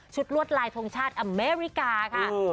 ลวดลายทรงชาติอเมริกาค่ะ